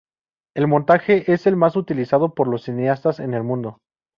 El montaje es el más utilizado por los cineastas en el mundo.